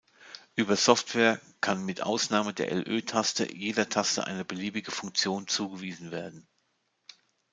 Über Software kann mit Ausnahme der LÖ-Taste jeder Taste eine beliebige Funktion zugewiesen werden.